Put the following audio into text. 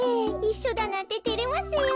いっしょだなんててれますよ。